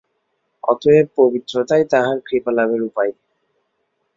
অতএব পবিত্রতাই তাঁহার কৃপালাভের উপায়।